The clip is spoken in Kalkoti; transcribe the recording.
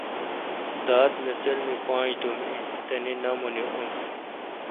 داد نسل می پانج دُوم این۔ تنے نامونے اُن۔